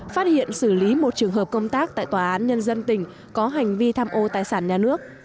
phát hiện xử lý một trường hợp công tác tại tòa án nhân dân tỉnh có hành vi tham ô tài sản nhà nước